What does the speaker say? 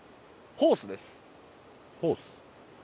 ホース。